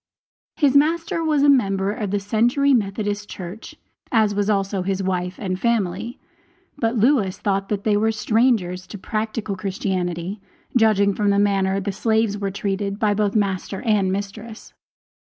His master was a member of the Century Methodist Church, as was also his wife and family; but Lewis thought that they were strangers to practical Christianity, judging from the manner that the slaves were treated by both master and mistress.